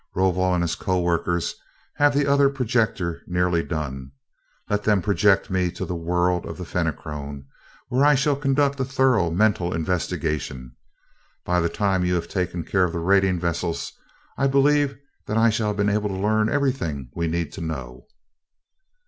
Rovol and his co workers have the other projector nearly done. Let them project me to the world of the Fenachrone, where I shall conduct a thorough mental investigation. By the time you have taken care of the raiding vessels, I believe that I shall have been able to learn everything we need to know."